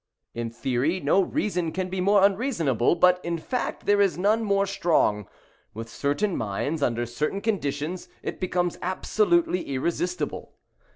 In theory, no reason can be more unreasonable, but, in fact, there is none more strong. With certain minds, under certain conditions, it becomes absolutely irresistible.